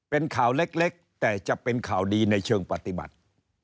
เป็นข่าวเล็กแต่จะเป็นข่าวดีในเชิงปฏิบัติ